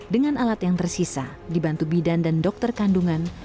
dengan alat yang tersisa dibantu bidan dan dokter kandungan